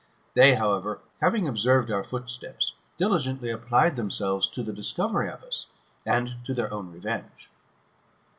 They, however, having observed our footsteps, diligently applied themselves to the discovery of us, and to their own revenge.